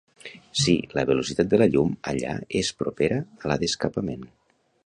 Sí, la velocitat de la llum allà és propera a la d'escapament.